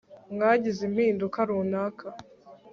Mwagize impinduka runaka